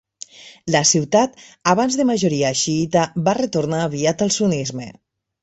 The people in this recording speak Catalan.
La ciutat, abans de majoria xiïta, va retornar aviat al sunnisme.